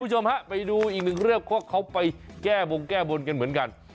คุณผู้ชมฮะไปดูอีกหนึ่งเรื่องเพราะเขาไปแก้บงแก้บนกันเหมือนกัน